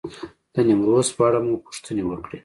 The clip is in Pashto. د نیمروز په اړه مو پوښتنې وکړې.